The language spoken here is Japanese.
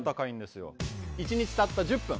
一日たった１０分。